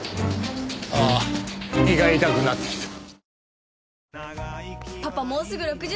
ああ胃が痛くなってきた。